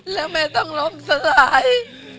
แล้วแม่ต้องล้มสลาย